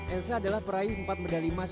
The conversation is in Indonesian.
elsa adalah peraih empat medali emas